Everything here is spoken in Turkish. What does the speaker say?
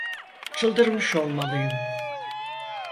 Çıldırmış olmalıyım.